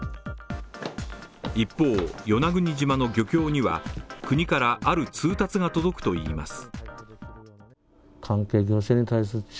一方、与那国島の漁協には国からある通達が届くといいます